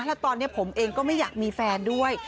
แล้วตอนนี้ผมเองก็ไม่อยากมีแฟนด้วย